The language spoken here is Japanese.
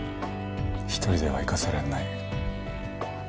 一人では行かせられない。